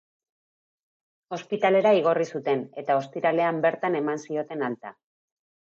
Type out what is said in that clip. Ospitalera igorri zuten, eta ostiralean bertan eman zioten alta.